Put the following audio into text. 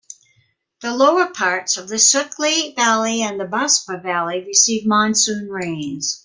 The lower parts of the Sutlej Valley and the Baspa Valley receive monsoon rains.